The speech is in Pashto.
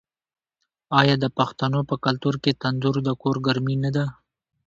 آیا د پښتنو په کلتور کې تندور د کور ګرمي نه ده؟